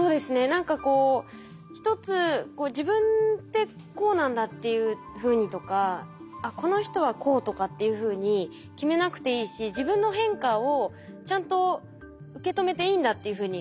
何かこう一つ自分ってこうなんだっていうふうにとかこの人はこうとかっていうふうに決めなくていいし自分の変化をちゃんと受け止めていいんだっていうふうに思いますよね。